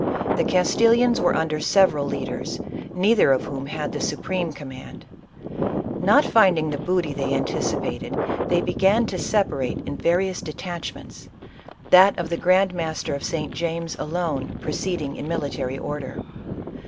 The Castilians were under several leaders, neither of whom had the supreme command ; not finding the booty they anticipated they began to separate in various de tachments, that of the grand master of St. James alone proceeding in military order.